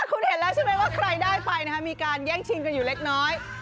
คุณเห็นแล้วใช่ไหมว่าใครได้ไปแย่งชินอยู่เล็กน้อย